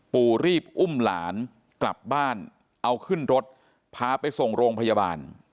ปู่รีบอุ้มหลานกลับบ้านเอาขึ้นรถพาไปส่งโรงพยาบาล